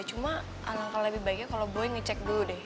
cuma alangkah lebih baiknya kalo boy ngecek dulu deh